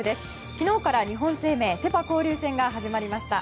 昨日から日本生命セ・パ交流戦が始まりました。